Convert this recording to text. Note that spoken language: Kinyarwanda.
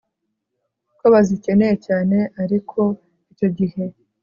ko bazikeneye cyane ariko icyo gihe